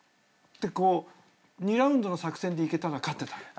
２ラウンドの作戦でいけたら勝ってたね。